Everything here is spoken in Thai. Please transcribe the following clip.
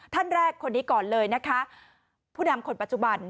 ท่านแรกคนนี้ก่อนเลยนะคะผู้นำคนปัจจุบัน